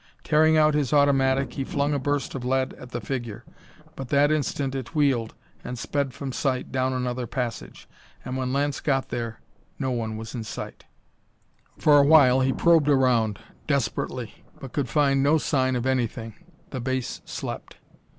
Tearing out his automatic, he flung a burst of lead at the figure, but that instant it wheeled and sped from sight down another passage. And when Lance got there, no one was in sight. For awhile he probed around, desperately, but could find no sign of anything. The base slept.